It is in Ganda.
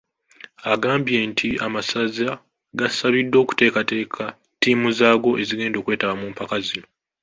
Agambye nti amasaza gasabiddwa okuteekateeka ttiimu zaago ezigenda okwetaba mu mpaka zino .